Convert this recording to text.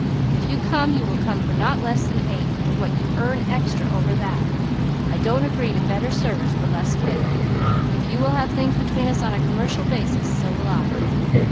If you come you will come for not less than eight and what you earn extra over that. I don't agree to better service for less pay. If you will have things between us on a commercial basis, so will I."